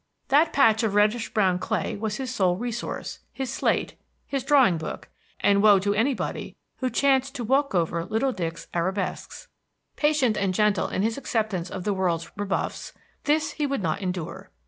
That patch of reddish brown clay was his sole resource, his slate, his drawing book, and woe to anybody who chanced to walk over little Dick's arabesques. Patient and gentle in his acceptance of the world's rebuffs, this he would not endure.